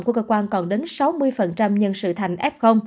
của cơ quan còn đến sáu mươi nhân sự thành f